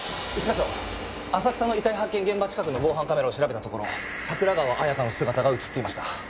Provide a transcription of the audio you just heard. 一課長浅草の遺体発見現場近くの防犯カメラを調べたところ桜川彩華の姿が映っていました。